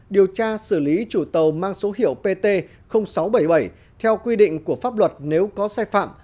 điều tra xử lý chủ tàu mang số hiệu pt sáu trăm bảy mươi bảy theo quy định của pháp luật nếu có sai phạm